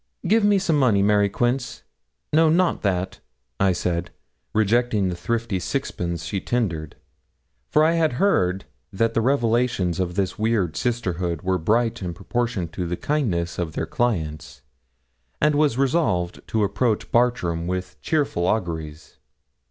'Give me some money, Mary Quince. No, not that,' I said, rejecting the thrifty sixpence she tendered, for I had heard that the revelations of this weird sisterhood were bright in proportion to the kindness of their clients, and was resolved to approach Bartram with cheerful auguries.